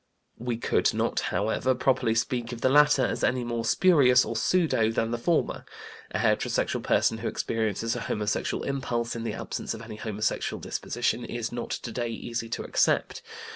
We could not, however, properly speak of the latter as any more "spurious" or "pseudo" than the former. A heterosexual person who experiences a homosexual impulse in the absence of any homosexual disposition is not today easy to accept.